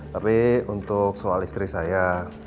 tapi untuk soal istri saya